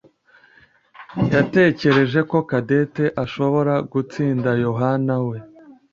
yatekereje ko Cadette ashobora gutsinda Yohanawe.